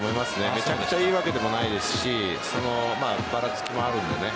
めちゃくちゃいいわけでもないしばらつきもあるので。